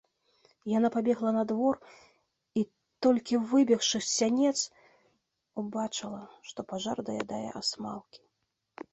Яна пабегла на двор і, толькі выбегшы з сянец, убачыла, што пажар даядае асмалкі.